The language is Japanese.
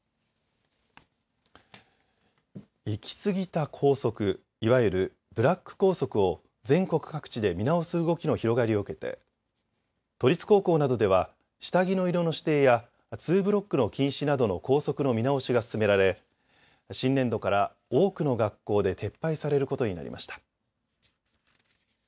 行きすぎた校則いわゆる、ブラック校則を全国各地で見直す動きの広がりを受けて都立高校などでは下着の色の指定やツーブロックの禁止などの校則の見直しが進められ新年度から多くの学校で撤廃されることになりました。